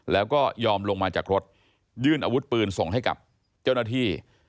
แล้วก็ยอมลงมาจากรถยื่นอาวุธปืนส่งให้กับเจ้าหน้าที่